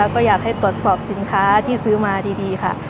ก็อยากให้ตรวจสอบสินค้าที่ซื้อมาดีค่ะ